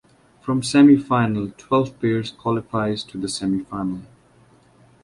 From semifinal twelve pairs qualifies to the semifinal.